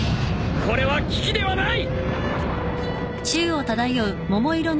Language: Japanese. これは危機ではない！